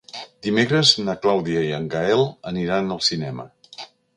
Dimecres na Clàudia i en Gaël aniran al cinema.